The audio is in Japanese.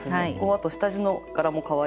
あと下地の柄もかわいい。